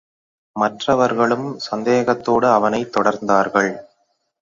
மற்றவர்களும் சந்தேகத்தோடு அவனைத் தொடர்ந்தார்கள்.